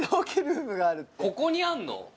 ここにあんの？